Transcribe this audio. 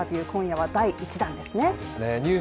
今夜は第１弾ですね、ですね